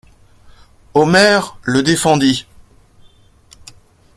Omer le défendit.